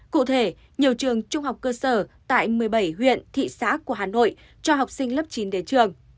cụ thể nhiều trường trung học cơ sở tại một mươi bảy huyện thị xã của hà nội cho học sinh lớp chín đến trường